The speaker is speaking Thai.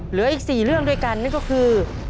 เหลืออีก๔เรื่องด้วยกันนั่นก็คือ